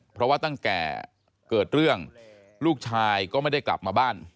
เพราะว่าตั้งแต่เกิดเรื่องลูกชายก็ไม่ได้กลับมาบ้าน